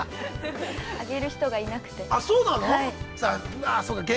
◆あげる人がいなくて。